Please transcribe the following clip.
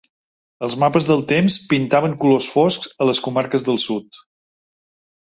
Els mapes del temps pintaven colors foscs a les comarques del sud.